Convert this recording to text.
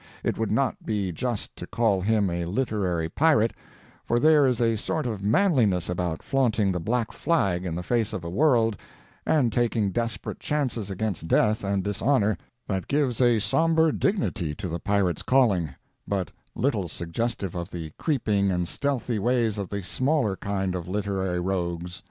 It would not be just to call him a literary pirate, for there is a sort of manliness about flaunting the black flag in the face of a world, and taking desperate chances against death and dishonor, that gives a sombre dignity to the pirate's calling but little suggestive of the creeping and stealthy ways of the smaller kind of literary rogues.